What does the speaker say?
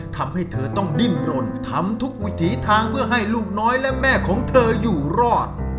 ทำให้เธอต้องดิ้นรนทำทุกวิถีทางเพื่อให้ลูกน้อยและแม่ของเธออยู่รอด